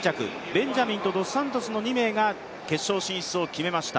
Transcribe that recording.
ベンジャミンとドスサントスの２名が決勝進出を決めました。